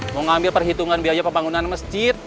mau ngambil perhitungan biaya pembangunan masjid